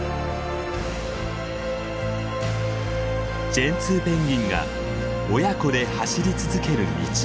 ジェンツーペンギンが親子で走り続ける道。